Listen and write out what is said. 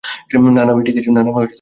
না, না, আমি ঠিক আছি।